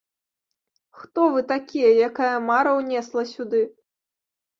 Хто вы такія, якая мара ўнесла сюды?